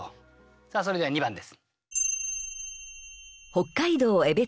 さあそれでは２番です。